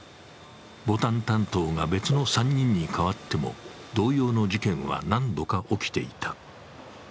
ボタン担当が別の３人に変わっても同様の事件は何度か起きていた。